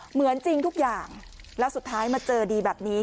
เหมือนจริงทุกอย่างแล้วสุดท้ายมาเจอดีแบบนี้